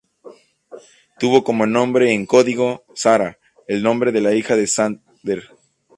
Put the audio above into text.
Tuvo como nombre en código Sara, el nombre de la hija de Sander.